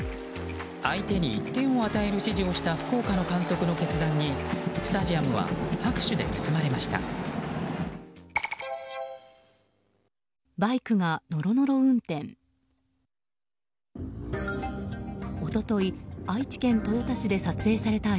相手に１点を与える指示をした福岡の監督の決断にスタジアムは拍手で包まれました。